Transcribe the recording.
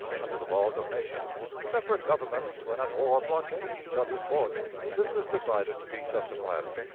Under the laws of nations, separate governments when at war blockade each other's ports. This is decided to be justifiable.